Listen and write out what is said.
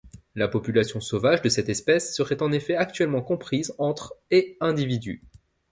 La population sauvage de cette espèce serait en effet actuellement comprise entre et individus.